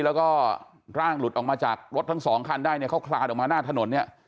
แล้วก็ร่างหลุดออกมาจากรถทั้งสองคันได้เนี่ยเขาคลานออกมาหน้าถนนเนี่ย